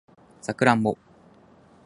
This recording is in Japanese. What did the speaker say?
サクランボ